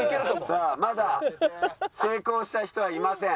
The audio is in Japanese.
さあまだ成功した人はいません。